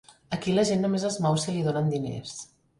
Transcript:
Aquí la gent només es mou si li donen diners.